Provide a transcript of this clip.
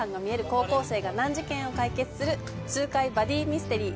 高校生が難事件を解決する痛快バディミステリー